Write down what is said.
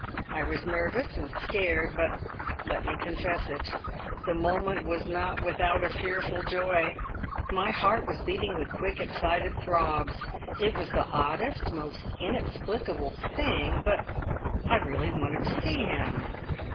I was nervous and scared, but let me confess it the moment was not without a fearful joy! My heart was beating with quick, excited throbs. It was the oddest, most inexplicable thing, but I I really wanted to see him.